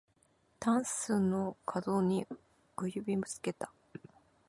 たんすのかどに小指ぶつけた